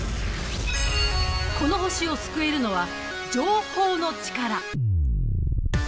この星を救えるのは情報のチカラ。